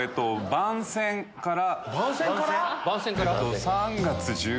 番宣から？